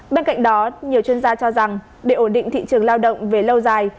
bên cạnh đó nhiều chuyên gia cho rằng để ổn định thị trường lao động về lâu dài